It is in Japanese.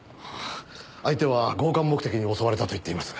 相手は強姦目的で襲われたと言っています。